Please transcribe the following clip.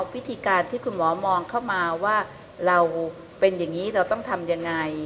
วิธีการที่คุณหมอมองเข้ามาว่าเราเป็นอย่างนี้เราต้องทำยังไง